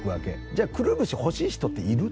じゃあくるぶし欲しい人っている？